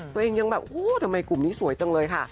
ตัวเองยังแบบโอ้โหทำไมกลุ่มนี้สวยจังเลยค่ะ